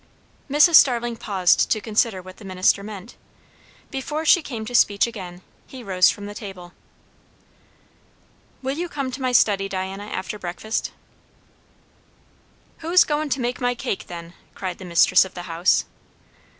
Mrs. Starling paused to consider what the minister meant. Before she came to speech again, he rose from the table. "Will you come to my study, Diana, after breakfast?" "Who's goin' to make my cake, then?" cried the mistress of the house.